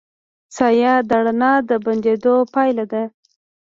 سایه د رڼا د بندېدو پایله ده.